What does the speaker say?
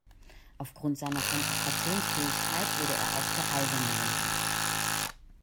Aufgrund seiner Konzentrationsfähigkeit wurde er auch „Der Eiserne“ genannt.